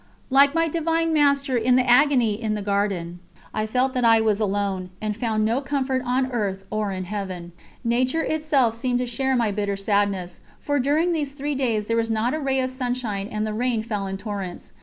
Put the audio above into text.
Like my Divine Master in the Agony in the Garden, I felt that I was alone, and found no comfort on earth or in Heaven. Nature itself seemed to share my bitter sadness, for during these three days there was not a ray of sunshine and the rain fell in torrents.